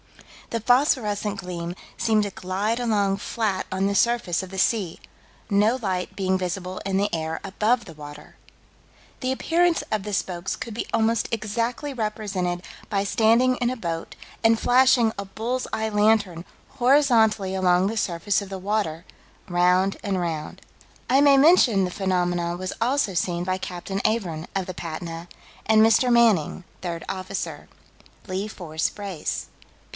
The phosphorescent gleam seemed to glide along flat on the surface of the sea, no light being visible in the air above the water. The appearance of the spokes could be almost exactly represented by standing in a boat and flashing a bull's eye lantern horizontally along the surface of the water, round and round. I may mention that the phenomenon was also seen by Captain Avern, of the Patna, and Mr. Manning, third officer. "Lee Fore Brace.